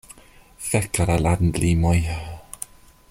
Fek al la landlimoj.